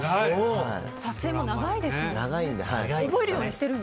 撮影も長いですしね。